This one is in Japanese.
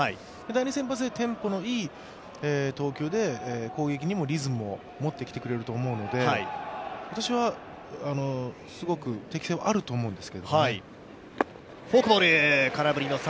第２先発でテンポのいい投球で攻撃にもリズムを持ってきてくれると思うので私はすごく適性はあると思うんですけど。